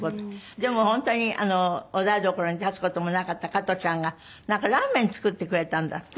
でも本当にお台所に立つ事もなかった加トちゃんがなんかラーメン作ってくれたんだって？